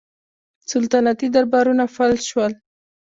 سلطنتي دربارونه فلج شول.